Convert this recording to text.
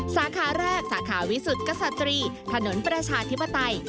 สาขาแรกสาขาวิสุทธิกษัตรีถนนประชาธิปไตย